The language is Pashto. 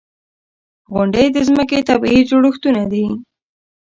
• غونډۍ د ځمکې طبعي جوړښتونه دي.